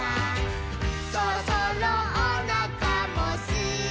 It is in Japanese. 「そろそろおなかもすくでしょ」